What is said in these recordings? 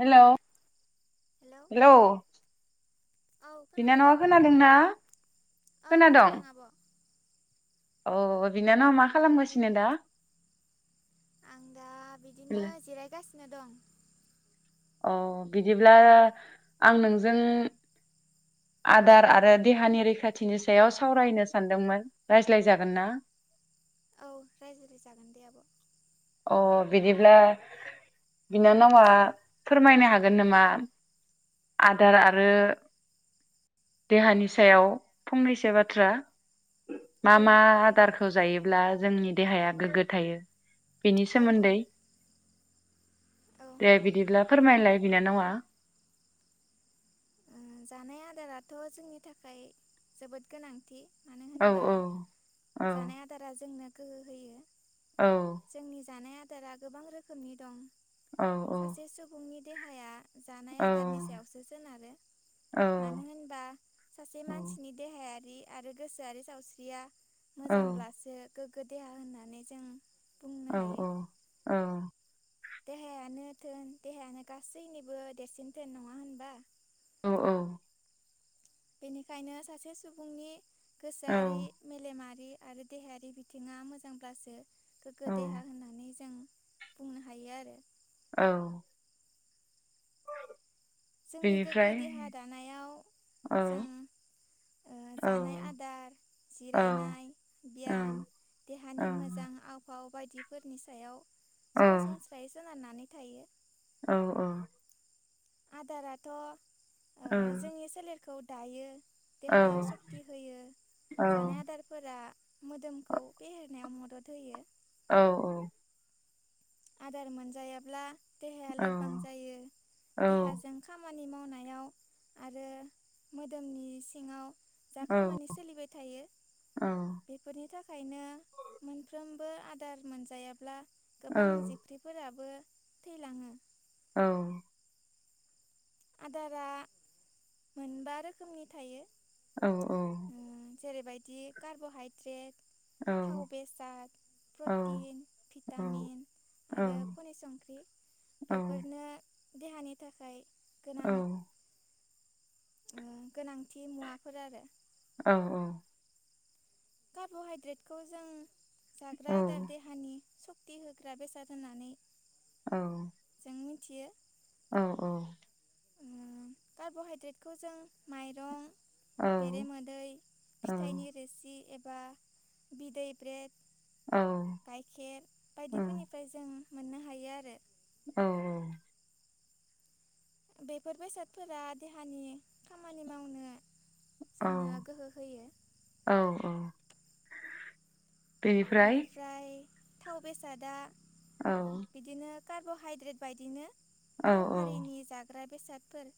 Hello. Hello औ खोनादों बिनानावा आब' खोनादोंना औ खोनादों खोनादोंं। आब' औ बिनानाव मा खालामगासिनो दा? आं दा बिदिनो जिरायगा नो दं। अ बिदिब्ला आं नोंजों आदार आरो देहानि रैखाथिनि सायाव सावरायनो सानदोंमोन रायज्लाय जागोन ना? औ रायज्लायजागोन दे आब'। अ बिदिब्ला बिनानावा फोरमायनो हागोन नामा आदार आरो देहानि सायाव फंनैसो बाथ्रा। मा औ मा हागोन आदारखौ जायोब्ला। जोंनि देहाया गोग्गो थायो। बेनि औ औ सोमोन्दै औ ओ दे बिदिब्ला फोरमायलाय बिनानावा। जानाय आदाराथ' जोंनि थाखाय जोबोद गोनांथि। मानो औ होनबा औ औ। जानाय आदारा जोंनो गोहो होयो औ जोंनि जानाया। आदारा गोबां रोखोमनि दं। औ सासेे सुबुंनि देहाया। जानाय औ आदारनि सायावसो सोनारो। औ मानो होनबा सासे औ मानसिनि देहा देहायारि आरो गोसोआरि सावस्रिया। मोजांब्लासो गोगो देहा होननानै जों। बुंनो औ हायो औ औ। देहायानो थोन देहायानो गासैनिबो देरसिन थोन नङा होनबा? औ औ। बेनिखायनो सासे सुबुंनि। औ गोसोआरि मेलेमा। [unintelligible] आरो देहायारि बिथिङा मोजांब्लासो औ गोग्गो देहा होननानै जों बुंनो हायो आरो औ जोंनि गोग्गो बेनिफ्राय देहा दानायाव औ जों औ जानाय आदार औ जिरायनाय औ ब्याम औ देहानि मोजां आवहाव बायदिफोरनि सायाव औ सासनस्रायै सोनारनानै। थायो। औ औ। आदाराथ' ओ जोंनि सोलेरखौ दायो, देहायाव सक्ति होयो जानाय आदारफोरा। मोदोमखौ फेहेरनायाव मदद होयो। औ औ। आदार मोनजायाब्ला देहाया लोरबां जायो देहाजों खामानि मानि मावनायाव आरो मोदोमनि सिङाव जा खामानि सोलिबाय थायो बेफोरनि थाखायनो मोनफ्रोम बो आदार मोनजायाब्ला औ। फोराबो थैलाङो। औ। आदारा मोनबा रोखोमनि थायो। औ औ। ओ जेरैबायदि कार्बहाइद्रेट थाव बेसाद प्रटिन भिटामिन आरो खनि संख्रि बेफोरनो देहानि थाखाय औ। उम गोनांथि मुवाफोर आरो। औ औ। कार्ब'हाइद्रेटखौ जों जाग्रा आदार देहानि स थि होग्रा बेसाद होनानै औ मिथियो। औ औ कार्ब'हाइद्रेटखौ जों माइरं औ बेरेमोदै औ फिथाइनि रोसि एब बा बिदै ब्रेद औ गाइखेर बायदिफोरनिफ्राय जों मोननो हायो आरो औ औ बेफोर बेसादफोरा देहानि खामानि मावनो औ जोंनो गोहो होयो औ औ बेनिफ्राय थाव बेसादादा औ कार्ब'हाइद्रेट बायदिनो औ थाव औ हारिनि जाग्रा बेसादफोर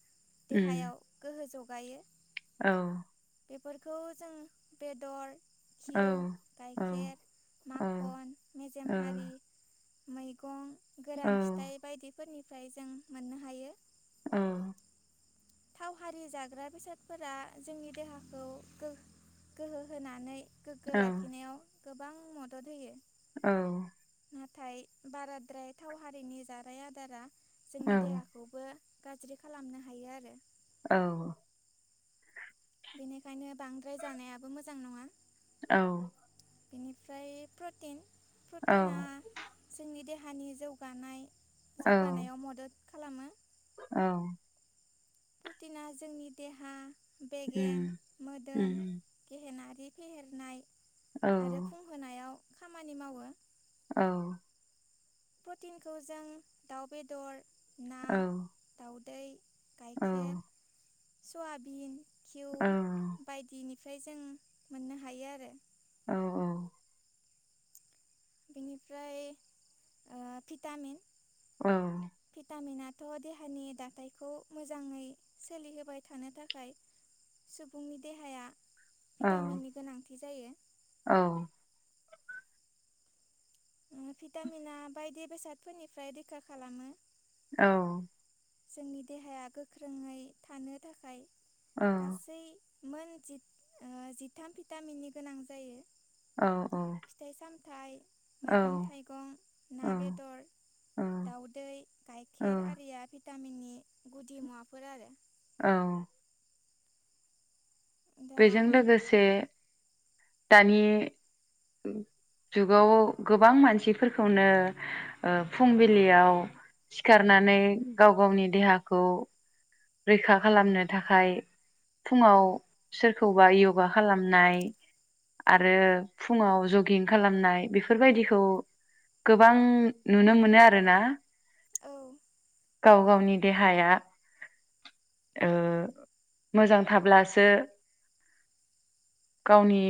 उम देहायाव गोहो जौ जगायो औ बेफोरखौ जों बेदर औ घिउ औ गाइखेर औ माखन औ मेजेम हारि मैगं गोरान फिथाइ बायदि फोरनिफ्राय जों मोननो हायो औ थाव हारि जाग्रा बेसादफोरा जोंनि देहाखौ गो गोहो होनानै औ गोग्गो लाखिनायाव गोबां मदद होयो औ नाथाय बाराद्राय थाव हारिनि जानाय आदारा जोंनि देहाखौबो गाज्रि खालामनो हायो आरो औ बेनिखायनो बांद्राय जानायाबो मोजां नङा औ बिनिफ्राय प्रटिन प्रटिना जोंनि देहा हानि जौगानाय जौगानायाव मदद खालामो औ प्रटिना जोंनि देहा बेगें उम मोदोम गहेनाथ बिदि फेहेरनाय औ आरो फुं होनायाव खामानि मावो औ प्रटिनखौ जों दाउ बेदर औ गायखेर सयाबिन खिउ औ बायदिनि ओमफ्राय जों मोननो हायो आरो औ बेनिफ्राय भिटामिन फिथामिना गथ' देहानि दाथायखौ मोजाङै सोलिहोबाय थानो थाखाय सुबुंनि देहाया भिटामिननि गोनांथि बिदि जायो औ भिटामिना बायदि बेसादफोरनिफ्राय रैखा खालामो औ जोंनि देहाया गोख्रोङै थानो थाखाय गासै मोन जि-जिथाम भिटामिननि गोनां जायो फिथाइ सामथायाइ औ मैगं थाइगं ना औ बेदर औ दाउदै औ गाइखेर आरिया फि भिटामिननि गुदि मुवाफोर आरो औ दा बेजों लोगोसे दानि जुगाव गोबां मानसिफोरखौनो फुंबिलियाव सिखारनानै गाव गावनि देहाखौ रैखा खालामनो थाखाय फुङाव सोरखौबा यगा खालामनाय आरो फुङाव जगिं खालामनाय बेफोरबायदिखौ गोबां नुनो मोनो आरोना औ गाव गावनि देहाया मोजां थाब्लासो गावनि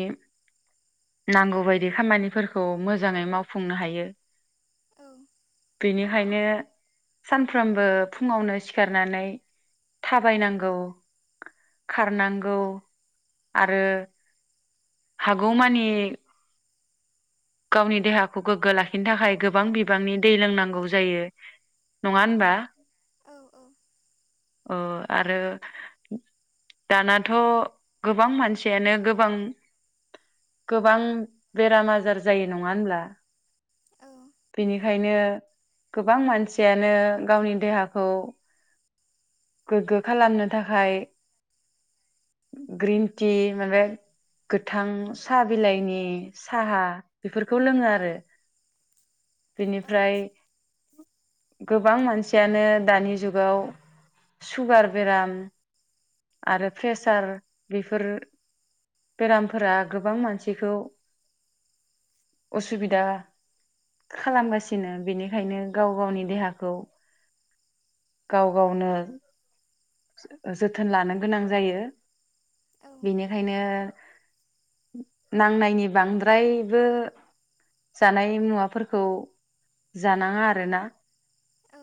नांगौबायदि खामानिफोरखौ मोजाङै मावफुंनो हायो औ बेनिखायनो सानफ्रोमबो फुङावनो सिखारनानै थाबायनांगौ खारनांगौ आरो हागौ मानि गावनि देहाखौ गोग्गो लाखिनो थाखाय गोबां बिबांनि दै लोंनांगौ जायो नङा होनबा औ अ आरो दानाथ' गोबां मानसियानो गोबां गोबां बेराम आजार जायो नङा होनब्ला औ बिनि ओंखायनो गोबां मानसियानो गावनि देहाखौ गोग्गो खालामनो थाखाय ग्रिन टि माना गोथां साहा बिलाइनि साहा बेफोरखौ लोङो आरो औ बेनिफ्राय गोबां मानसियानो दानि जुगाव सुगार बेराम आरो प्रेसार बेफोर बेरामफोरा गोबां मानसिखौ उसुबिदा खालामगासिनो बेनिखायनो गाव गावनि देहाखौ गाव गावनो जो जोथोन लानो गोनां जायो औ बेनिखायनो नांनायनि बांद्रायबो जानाय मुवाफोरखौ जानाङा आरोना औ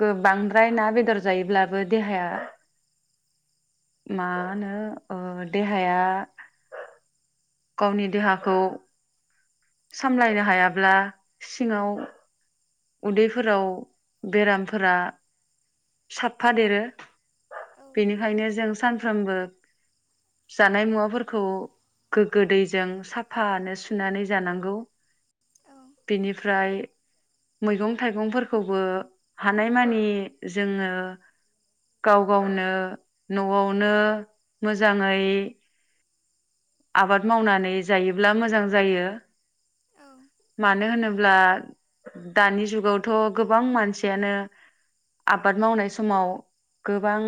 गोबांद्राय ना बेदर जायोब्लाबो देहाया मा होनो ओ देहाया गावनि देहाखौ सामलायनो हायाब्ला सिङाव उदैफोराव बेरामफोरा साफा देरो औ बेनिखायनो जों सानफ्रोमबो जानाय मुवाफोरखौ गोग्गो दैजों साफानो सुनानै जानांगौ बेनिफ्राय मैगं थाइगंफोरखौबो हानायमानि जोङो गाव गावनो न'आवनो मोजाङै आबाद मावनानै जायोब्ला मोजां जायो मानो होनोब्ला दानि जुगावथ' गोबां मानसियानो आबाद मावनाय समाव गोबां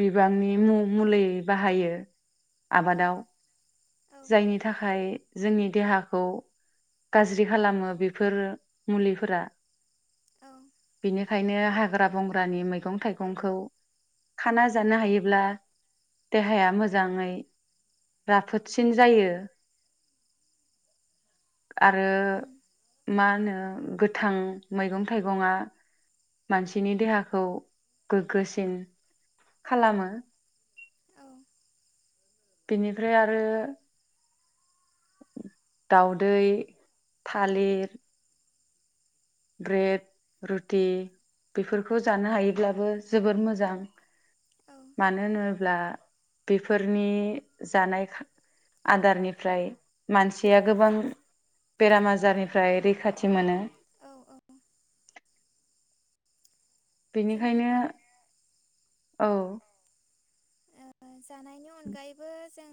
बिबांनि मु-मुलि बाहायो आबादाव जायनि थाखाय जोंनि देहाखौ गाज्रि खालामो बेफोर मुलिफोरा बिनो खायनो हाग्रा बंग्रानि मैगं थाइगंखौ खाना जानो हायोब्ला देहाया मोजाङै राफोदसिन जायो आरो मा होनो गोथां मैगं थाइगङा मानसिनि देहाखौ गोग्गोसिन खालामो बेनिफ्राय आरो दाउदै थालिर ब्रेड रुटि बेफोरखौ जानो हायोब्लाबो जोबोर मोजां मानो होनो अब्ला बेफोरनि जानाय आदारनिफ्राय मानसिया गोबां बेराम आजारनिफ्राय रैखाथि मोनो औ औ औ बेनिखायनो जोंहा औ ओ जानायनि अनगायैबो जों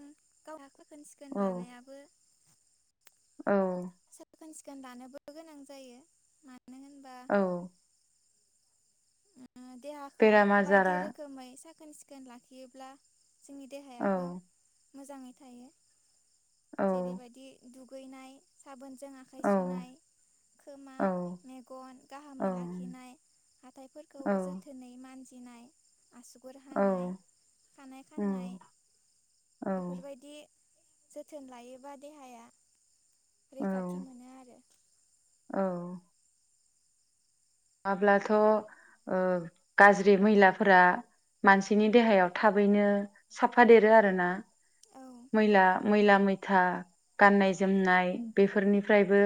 गावहा सिखोन औ लानायाबो औ [unintelligible] लानोबो गोनां जायो मानो होनबा औ देहाखौ बेराम बायदि आजारा रोखोमै साख साखोन सिखोन लाखियोब्ला जोंनि औ देहायाबो मोजाङै थायो औ जेरैबायदि दुखु दुगैनाय साबोन जों आखाइ सुनाय औ खोमा औ मेगन गाहामै लाखिनाय फोरखौ औ जोथोनै मानजिनाय आसुगुर औ हानाय खानाय औ खाननाय बेफोरबायदि जोथोन लायोबा देहाया औ रैखाथि मोनो आरो। हाब्लाथ ओ गाज्रि मैलाफोरा मानसिनि देहायाव थाबैनो साफादेरो आरोना। औ मैला मैला मैथा गाननाय जोमनाय बेफोरनिफ्रायबो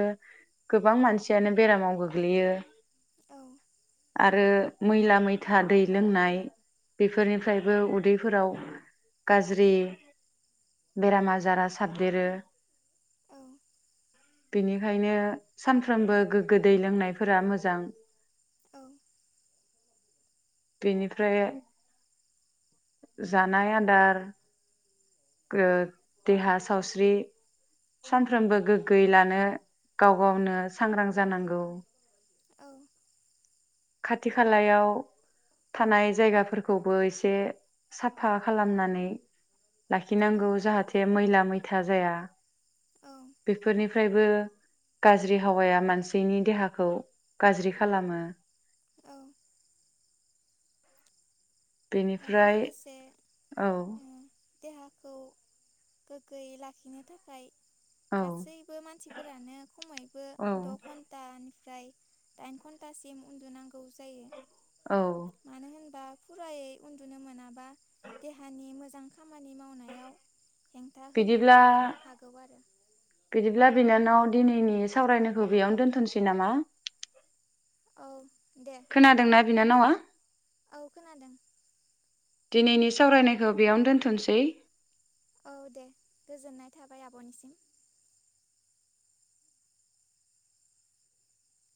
गोबां मानसियानो बेरामाव गोग्लैयो। औ। आरो मैला मैथा दै लोंनाय बेफोरनिफ्रायबो उदैफोराव गाज्रि बेराम आजारा साबदेरो। औ। बेनिखायनो सानफ्रोमबो गोग्गो दै लोंनायफोरा मोजां। औ। बेनिफ्राय जानाय आदार देहा सावस्रि सानफ्रोमबो गोग्गोय लानो गाव गावनो सांग्रां जानांगौ। औ। खाथि खालायाव थानाय जायगाफोरखौबो एसे साफा खालामनानै लाखिनांगौ जाहाथे मैला मैथा जाया। बेफोरनि निफ्रायबो गाज्रि हावाया मानसिनि देहाखौ गाज्रि खालामो। औ आरो बेनिफ्राय लोगोसे औ। देहाखौ गोग्गोयै लाखिनो थाखाय औ गासैबो मानसिफोरानो खमैबो औ द' घन्टा ओफ्राय दाइन घन्टासिम उन्दुनांगौ जायो। औ मानो होनबा फुरायै उन्दुनो मोनाबा देहानि मोजां खामानि मावनायाव हेंथा होनोबो बिदिब्ला हागौ आरो। बिदिब्ला बिनानाव दिनैनि सावरायनायखौ बेयावनो दोनथ'नोसै नामा। औ दे खोनादोंना बिनानावा। औ खोनादों। दिनैनि सावरायनायखौ बेयावनो दोनथ'सै। औ दे गोजोननाय थाबाय आब'निसिम